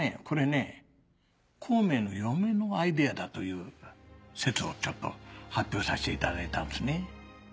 これね孔明の嫁のアイデアだという説をちょっと発表させていただいたんですね。